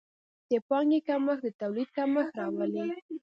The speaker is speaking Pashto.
د پانګې کمښت د تولید کمښت راولي.